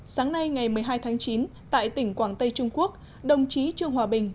sáng nay ngày một mươi hai tháng chín tại tỉnh quảng tây trung quốc đồng chí trương hòa bình